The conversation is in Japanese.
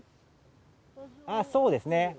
ああ、そうですね。